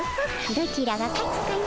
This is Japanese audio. どちらが勝つかの。